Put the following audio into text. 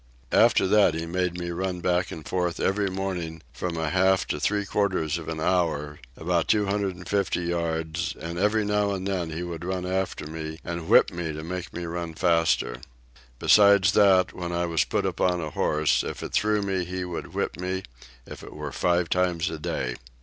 After that he made me run back and forth every morning from a half to three quarters of an hour about two hundred and fifty yards, and every now and then he would run after me, and whip me to make me run faster. Besides that, when I was put upon a horse, if it threw me he would whip me, if it were five times a day.